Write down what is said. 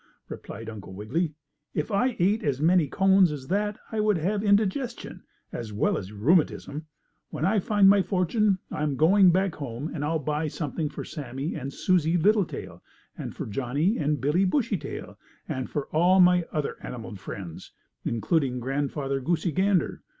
replied Uncle Wiggily. "If I ate as many cones as that I would have indigestion, as well as rheumatism. When I find my fortune I am going back home, and I'll buy something for Sammie and Susie Littletail, and for Johnnie and Billie Bushytail, and for all my other animal friends, including Grandfather Goosey Gander.